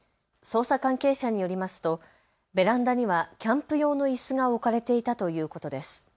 捜査関係者によりますとベランダにはキャンプ用のいすが置かれていたということです。